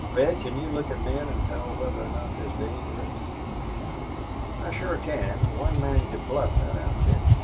"Red, can you look at men and tell whether or not there's danger in them?" inquired Neale. "I shore can. One man could bluff thet outfit....